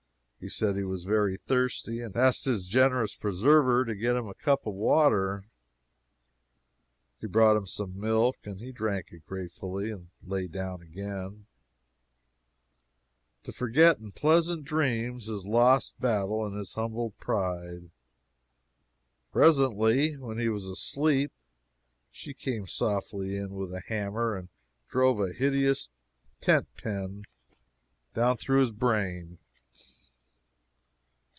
He said he was very thirsty, and asked his generous preserver to get him a cup of water. She brought him some milk, and he drank of it gratefully and lay down again, to forget in pleasant dreams his lost battle and his humbled pride. Presently when he was asleep she came softly in with a hammer and drove a hideous tent pen down through his brain!